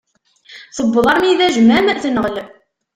Tewweḍ armi d ajmam, tenɣel.